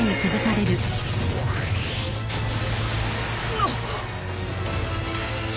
なっ！？